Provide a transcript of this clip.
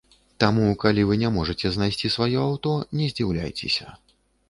Таму, калі вы не можаце знайсці сваё аўто, не здзіўляйцеся.